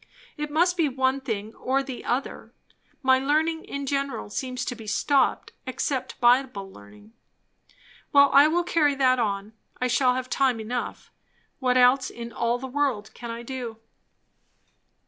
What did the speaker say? It must be one thing or the other. My learning in general seems to be stopped, except Bible learning. Well, I will carry that on. I shall have time enough. What else in all the world can I do?